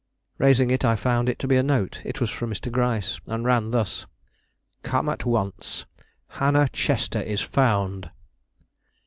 Raising it, I found it to be a note. It was from Mr. Gryce, and ran thus: "Come at once; Hannah Chester is found."